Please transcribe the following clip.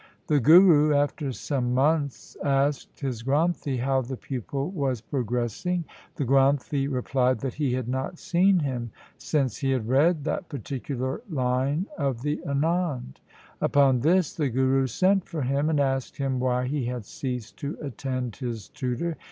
The Guru, after some months, asked his Granthi how the pupil was progressing. The Granthi replied that he had not seen him since he had read that particular line of the Anand. Upon this the Guru sent for him, and asked him why he had ceased to attend his tutor.